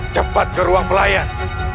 cepat ke ruang pelayan